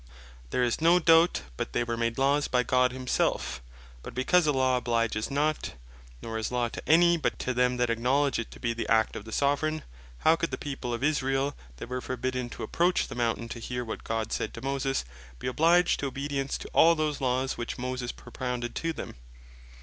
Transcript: There is no doubt but that they were made Laws by God himselfe: But because a Law obliges not, nor is Law to any, but to them that acknowledge it to be the act of the Soveraign, how could the people of Israel that were forbidden to approach the Mountain to hear what God said to Moses, be obliged to obedience to all those laws which Moses propounded to them?